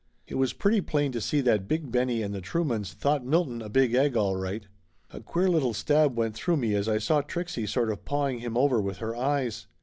It was pretty plain to see that Big Benny and the Truemans thought Milton a big egg, all right. A queer little stab went through me as I saw Trixie sort of paw ing him over with her eyes.